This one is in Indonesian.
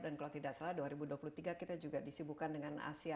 dan kalau tidak salah dua ribu dua puluh tiga kita juga disibukan dengan asean